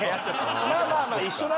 まあまあまあ一緒なのか。